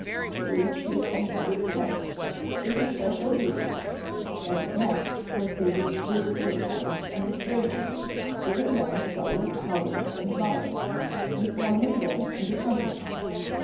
To each he appointed his place, with his special duties, and next proceeded to the citizens and the strangers, giving them separate colours and mottoes, and forming them into companies.